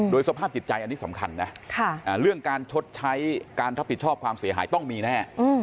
สภาพจิตใจอันนี้สำคัญนะเรื่องการชดใช้การรับผิดชอบความเสียหายต้องมีแน่